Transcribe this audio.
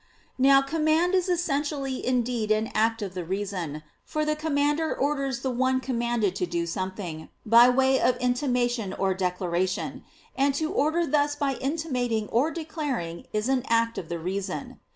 Now, command is essentially indeed an act of the reason: for the commander orders the one commanded to do something, by way of intimation or declaration; and to order thus by intimating or declaring is an act of the reason.